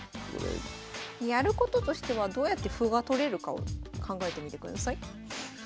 やることとしてはどうやって歩が取れるかを考えてみてください。